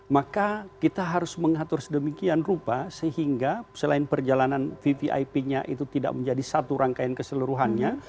maka kita harus mengatur sedemikian rupa sehingga selain perjalanan vvip nya itu tidak menjadi satu rangkaian keseluruhannya